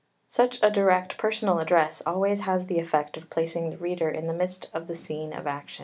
Such a direct personal address always has the effect of placing the reader in the midst of the scene of action.